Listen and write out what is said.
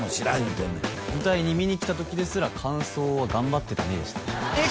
てんねん舞台に見に来た時ですら感想は「頑張ってるね」でしたえっ